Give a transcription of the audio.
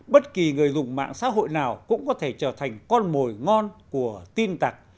bất kỳ người dùng mạng xã hội nào cũng có thể trở thành con mồi ngon của tin tặc